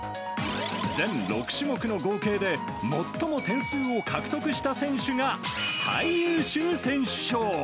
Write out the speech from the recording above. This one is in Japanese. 全６種目の合計で最も点数を獲得した選手が最優秀選手賞。